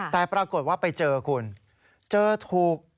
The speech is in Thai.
แต่ปรากฏว่าไปเจอคุณเจอถูก